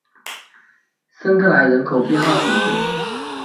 圣克莱人口变化图示